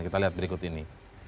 kita lihat berikut ini